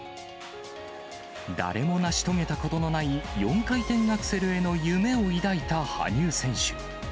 誰も成し遂げたことのない４回転アクセルへの夢を抱いた羽生選手。